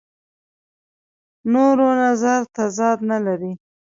نورو نظر تضاد نه لري.